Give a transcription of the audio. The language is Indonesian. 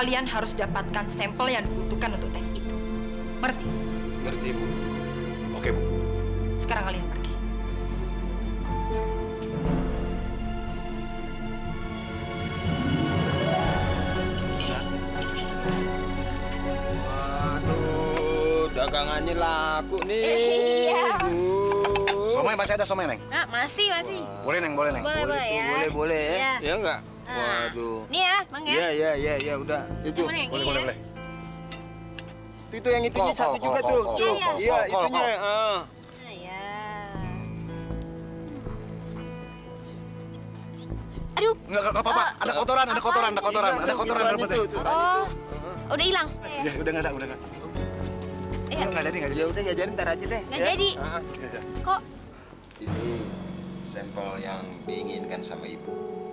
ini sampel yang diinginkan sama ibu